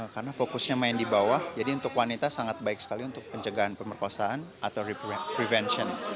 karena fokusnya main di bawah jadi untuk wanita sangat baik sekali untuk pencegahan pemerkosaan atau prevention